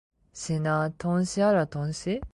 sina tonsi ala tonsi?